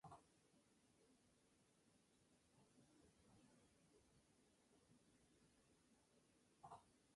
Gavin hipnotiza a Rosa y hace que mande a Joey a una trampa.